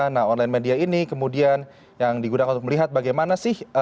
nah online media ini kemudian yang digunakan untuk melihat bagaimana sih